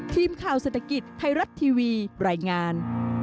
ทีมข่าวเศรษฐกิจไทยรัฐทีวีรายงาน